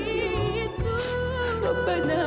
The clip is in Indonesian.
aku terlalu berharga